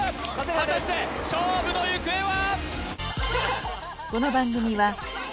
果たして勝負の行方は！？